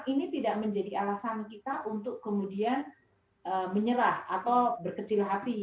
ini tidak menjadi alasan kita untuk kemudian menyerah atau berkecil hati